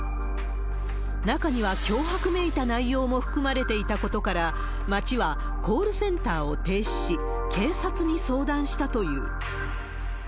中には脅迫めいた内容も含まれていたことから、町はコールセンターを停止し、警察に相談したという。